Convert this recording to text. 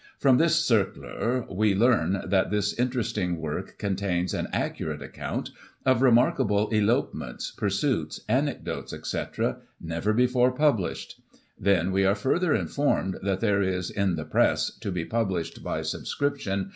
From this ' cercler * we learn that * this interesting work con tains an accurate account of remarkable elopements, pursuits, anecdotes, etc., never before published/ Then we are further informed that there is * in the press,' to be published by sub scription.